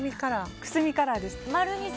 くすみカラーです。